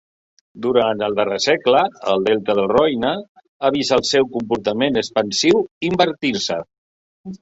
Durant el darrer segle, el delta del Roine ha vist el seu comportament expansiu invertir-se.